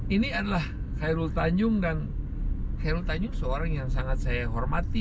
ini adalah khairul tanjung dan khairul tanjung seorang yang sangat saya hormati